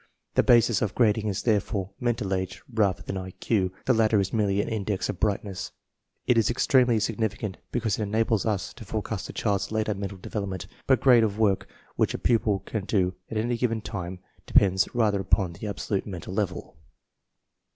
The basis of grading is therefore mental age rather tharul (J. The latter is merely an index of brightness; It is extremely significant, because it enables us i& forecast a child's later mental development, but grade of work which a pupil can do at any given time de pends rather upon the absolute mental level.